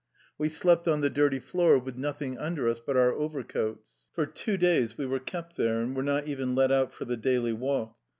We slept on the dirty floor with nothing under us but our over coats. For two days we were kept there, and were not even let out for the daily walk.